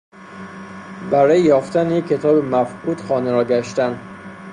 برای یافتن یک کتاب مفقود خانه را گشتن